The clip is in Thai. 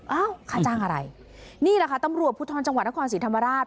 ค่าจ้างอะไรนี่แหละค่ะตำรวจภูทรจังหวัดนครศรีธรรมราช